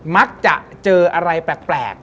มักจะเจออะไรแปลก